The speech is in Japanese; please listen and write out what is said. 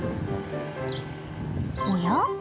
おや？